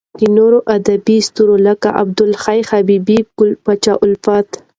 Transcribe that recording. د نورو ادبې ستورو لکه عبد الحی حبیبي، ګل پاچا الفت .